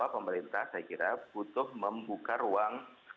pemerintah saya kira butuh membuka ruang